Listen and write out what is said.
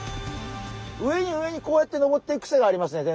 上に上にこうやってのぼっていくクセがありますね